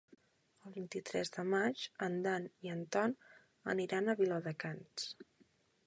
El vint-i-tres de maig en Dan i en Ton aniran a Viladecans.